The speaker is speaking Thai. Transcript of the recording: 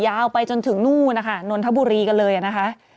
ยาวไปจนถึงนู่นนะคะนนทบุรีกันเลยนะคะ